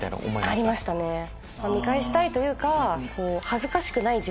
見返したいというか。